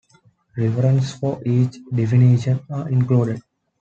References for each definition are included.